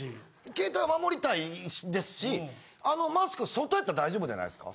携帯守りたいですしあのマスク外やったら大丈夫じゃないですか？